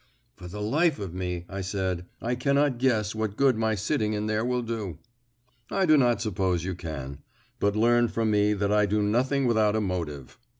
"For the life of me," I said, "I cannot guess what good my sitting in there will do." "I do not suppose you can; but learn from me that I do nothing without a motive.